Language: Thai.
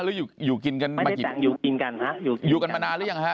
หรืออยู่อยู่กินกันมากี่วันอยู่กินกันฮะอยู่อยู่กันมานานหรือยังฮะ